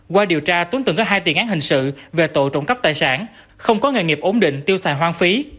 qua điều tra tuấn từng có hai tiền án hình sự về tội trộm cắp tài sản không có nghề nghiệp ổn định tiêu xài hoang phí